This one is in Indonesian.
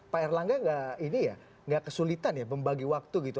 pak erlangga nggak ini ya nggak kesulitan ya membagi waktu gitu